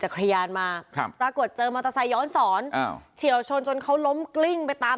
คลิยานมาครับปรากฏเจอมัตตาไซย้อนศรเฉียวชนจนเขาล้มกลิ้งไปตาม